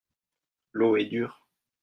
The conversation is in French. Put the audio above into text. L'eau est dure.